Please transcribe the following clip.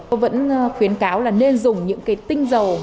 tôi vẫn khuyến cáo là nên dùng những cái tinh dầu